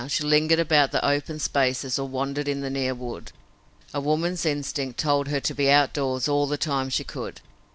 She lingered about the open space or wandered in the near wood. A woman's instinct told her to be out doors all the time she could.